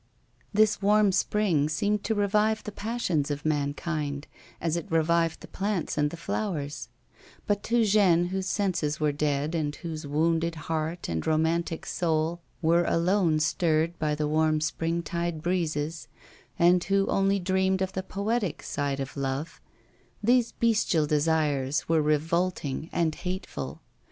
This warm spring seemed to revive the passions of man kind as it revived the plants and the flowers ; but to Jeanne whose senses were dead, and whose wounded heart and romantic soul were alone stirred by the warm spring tide breezes, and who only dreamed of the poetic side of love, these bestial desires were revolting and hateful.